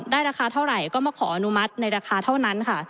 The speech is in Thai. ราคาเท่าไหร่ก็มาขออนุมัติในราคาเท่านั้นค่ะ